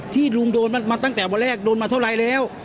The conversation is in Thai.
ที่ลุงโดนมาตั้งแต่วันแรกโดนมาเท่าไรแล้ว